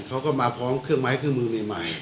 เขาก็มาพร้อมเครื่องไม้เครื่องมือใหม่